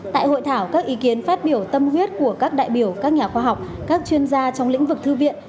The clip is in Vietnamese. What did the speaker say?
tại hội thảo các ý kiến phát biểu tâm huyết của các đại biểu các nhà khoa học các chuyên gia trong lĩnh vực thư viện